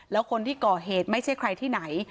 แล้วคนที่ก่อเหตุไม่ใช่ใครที่ไหน